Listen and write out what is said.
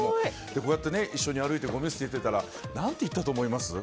こうやってね、一緒に歩いてごみ捨ていってたら何て言ったと思います？